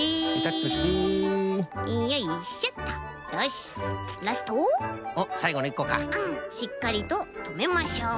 しっかりととめましょう。